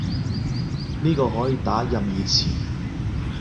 呢個可以打任意詞